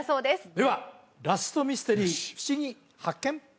ではラストミステリーふしぎ発見！